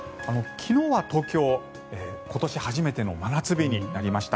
昨日は東京、今年初めての真夏日になりました。